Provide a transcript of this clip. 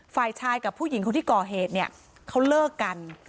ฝ่ายชายกับผู้หญิงคนที่ก่อเหตุเนี่ยเขาเลิกกัน